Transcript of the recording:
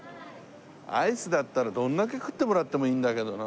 アイスだったらどれだけ食ってもらってもいいんだけどなあ。